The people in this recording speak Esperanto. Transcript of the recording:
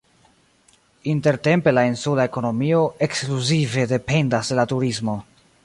Intertempe la insula ekonomio ekskluzive dependas de la turismo.